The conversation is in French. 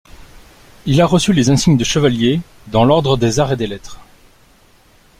Il a reçu les insignes de Chevalier dans l’Ordre des Arts et des Lettres.